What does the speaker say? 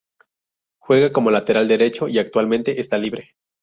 Juega como lateral derecho y actualmente esta libre.